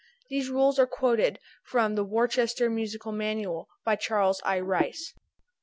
These rules are quoted from "The Worcester Musical Manual," by Charles I. Rice. 1.